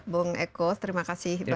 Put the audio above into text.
bung eko terima kasih